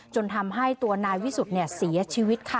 จนทำให้ตัวนายวิสุทธิ์เสียชีวิตค่ะ